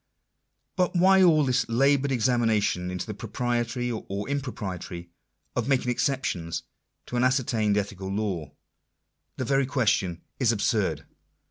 But why all this laboured examination into the propriety, or impropriety, of making exceptions to an ascertained ethical law ? The very question is absurd.